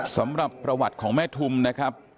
สำหรับประวัติของแม่ทุมนะครับ